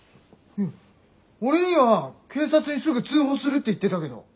いや俺には「警察にすぐ通報する」って言ってたけど。